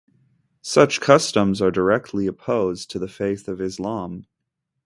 Such customs are directly opposed to the faith of Islam.